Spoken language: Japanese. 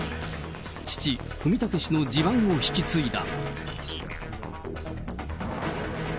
父、文武氏の地盤を引き継いだ。